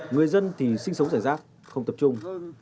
người dân thì sinh sống rải rác không tập trung